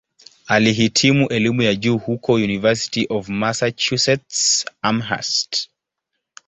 Alihitimu elimu ya juu huko "University of Massachusetts-Amherst".